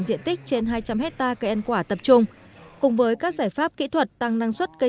diện tích trên hai trăm linh hectare cây ăn quả tập trung cùng với các giải pháp kỹ thuật tăng năng suất cây